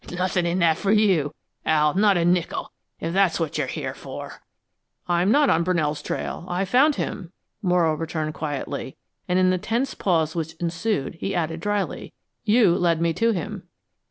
"Nothin' in that for you, Al; not a nickel, if that's what you're here for." "I'm not on Brunell's trail. I've found him," Morrow returned quietly; and in the tense pause which ensued he added dryly: "You led me to him."